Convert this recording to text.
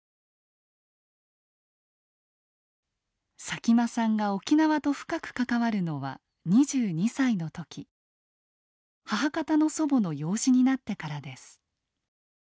佐喜眞さんが沖縄と深く関わるのは２２歳の時母方の祖母の養子になってからです。